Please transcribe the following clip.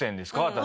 私。